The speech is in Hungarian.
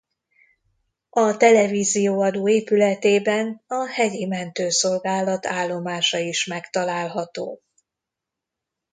A televízió-adó épületében a Hegyi Mentőszolgálat állomása is megtalálható.